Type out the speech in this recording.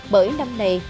bởi năm này